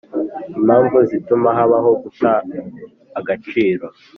Impamvu zituma habaho guta agaciro